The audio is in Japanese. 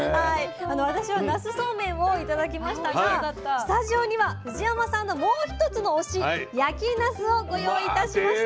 私はなすそうめんを頂きましたがスタジオには藤山さんのもう１つの推し焼きなすをご用意いたしました。